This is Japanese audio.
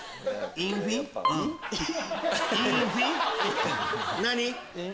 インフィ何？